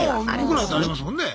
僕らだってありますもんね。